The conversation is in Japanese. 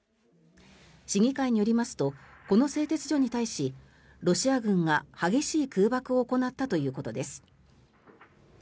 市議会によりますとこの製鉄所に対しロシア軍が激しい空爆を行ったということです。